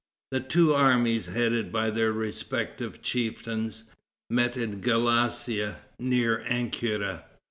The two armies, headed by their respective chieftains, met in Galacia, near Ancyra.